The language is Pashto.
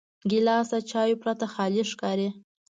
ګیلاس د چایو پرته خالي ښکاري.